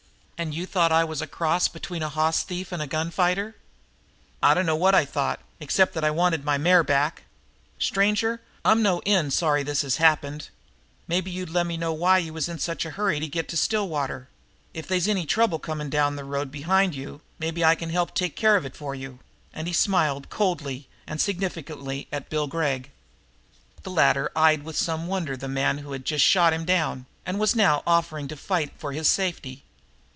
"And you thought I was a cross between a hoss thief and a gunfighter?" "I dunno what I thought, except that I wanted the mare back. Stranger, I'm no end sorry this has happened. Maybe you'd lemme know why you was in such a hurry to get to Stillwater. If they's any trouble coming down the road behind you, maybe I can help take care of it for you." And he smiled coldly and significantly at Bill Gregg. The latter eyed with some wonder the man who had just shot him down and was now offering to fight for his safety.